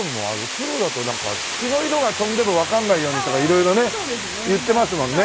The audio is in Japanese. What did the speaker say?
黒だとなんか血の色が飛んでもわかんないようにとか色々ね言ってますもんね